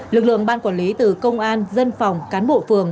lực lượng ban quản lý từ công an dân phòng cán bộ phường